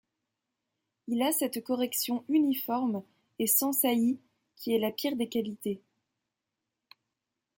Il a cette correction uniforme et sans saillies qui est la pire des qualités.